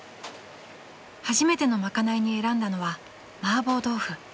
［初めての賄いに選んだのはマーボー豆腐］